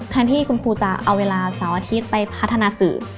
แทนที่คุณครูจะเอาเวลาเสาร์อาทิตย์ไปพัฒนาสื่อ